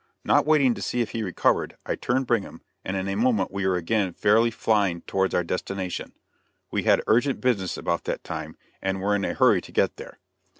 Not waiting to see if he recovered, I turned Brigham, and in a moment we were again fairly flying towards our destination; we had urgent business about that time, and were in a hurry to get there.